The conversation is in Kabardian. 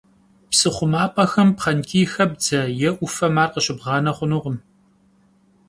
Psı xhumap'exem pxhenç'iy xebdze yê 'Ufem ar khışıbğane xhunukhım.